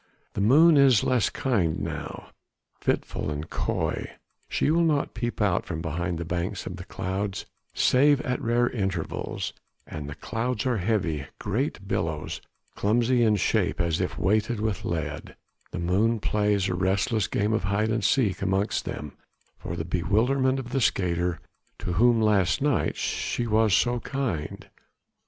The moon is less kind now, fitful and coy; she will not peep out from behind the banks of clouds save at rare intervals; and the clouds are heavy; great billows, clumsy in shape as if weighted with lead; the moon plays a restless game of hide and seek amongst them for the bewilderment of the skater, to whom last night she was so kind.